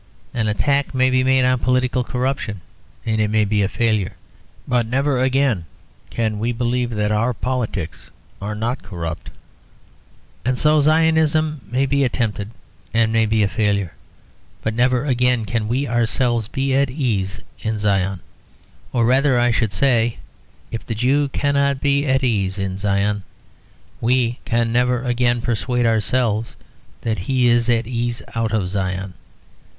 An attack may be made on political corruption, and it may be a failure; but never again can we believe that our politics are not corrupt. And so Zionism may be attempted and may be a failure; but never again can we ourselves be at ease in Zion. Or rather, I should say, if the Jew cannot be at ease in Zion we can never again persuade ourselves that he is at ease out of Zion.